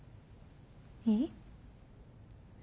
いい？